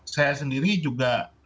saya sendiri juga